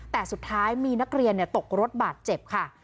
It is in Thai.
แต่สุดท้ายมีนักเรียนตกรถบาดเจ็บค่ะ